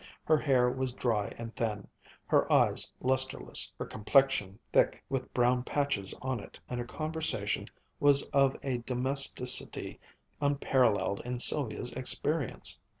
Her hair was dry and thin, her eyes lusterless, her complexion thick, with brown patches on it, and her conversation was of a domesticity unparalleled in Sylvia's experience.